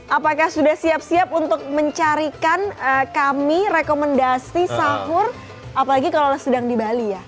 apakah sudah siap siap untuk mencarikan kami rekomendasi sahur apalagi kalau sedang di bali ya